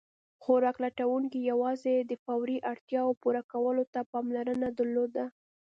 خوراک لټونکي یواځې د فوري اړتیاوو پوره کولو ته پاملرنه درلوده.